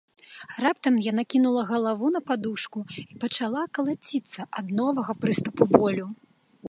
Раптам яна кінула галаву на падушку і пачала калаціцца ад новага прыступу болю.